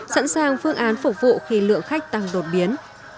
sẵn sàng phương án phục vụ khi lượng khách tăng đột biến